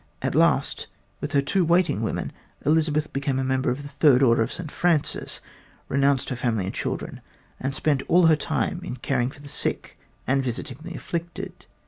At last, with her two waiting women, Elizabeth became a member of the Third Order of Saint Francis, renounced her family and children, and spent all her time in caring for the sick and visiting the afflicted.